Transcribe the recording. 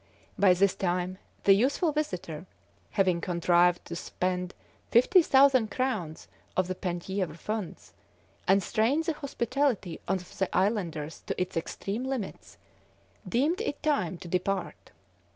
By this time the youthful visitor, having contrived to spend fifty thousand crowns of the Penthièvre funds, and strained the hospitality of the islanders to its extreme limits, deemed it time to depart.